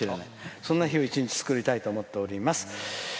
そんな日を一日作りたいと思っております。